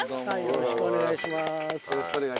よろしくお願いします。